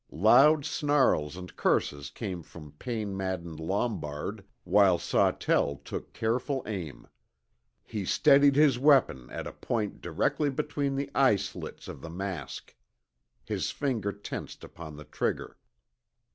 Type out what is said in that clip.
Loud snarls and curses came from pain maddened Lombard, while Sawtell took careful aim. He steadied his weapon at a point directly between the eyeslits of the mask. His finger tensed upon the trigger.